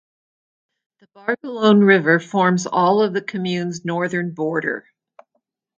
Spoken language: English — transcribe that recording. The Barguelonne river forms all of the commune's northern border.